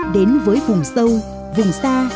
đến với vùng sâu vùng xa